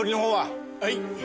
はい。